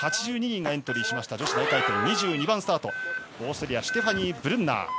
８２人がエントリーした女子大回転、２２番スタートオーストリアシュテファニー・ブルンナー。